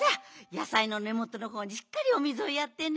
やさいのねもとのほうにしっかりおみずをやってね。